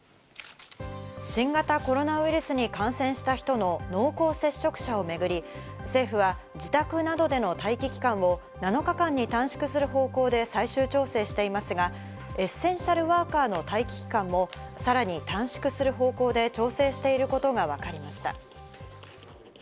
新型コロナウイルスに感染した人の濃厚接触者をめぐり、政府は自宅などでの待機期間を７日間に短縮する方向で最終調整していますが、エッセンシャルワーカーの待機期間もさらに短縮する方向で調整していることがわかりました。